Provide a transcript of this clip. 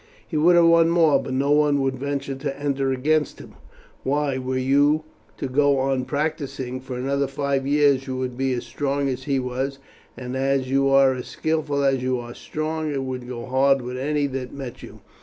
He would have won more, but no one would venture to enter against him. Why, were you to go on practising for another five years, you would be as strong as he was, and as you are as skilful as you are strong it would go hard with any that met you.